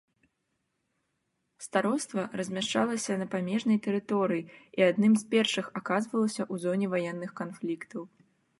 Староства размяшчалася на памежнай тэрыторыі і адным з першых аказвалася ў зоне ваенных канфліктаў.